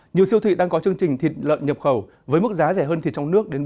nhiều siêu thị đang có chương trình thịt lợn nhập khẩu với mức giá rẻ hơn thịt trong nước đến bốn mươi